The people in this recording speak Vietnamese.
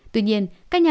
tuy nhiên các nhà